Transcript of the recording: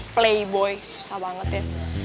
playboy susah banget ya